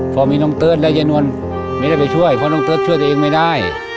พอมีน้องเติร์ทและยายนวลไม่ได้ไปช่วยเพราะน้องเติร์ทช่วยตัวเองไม่ได้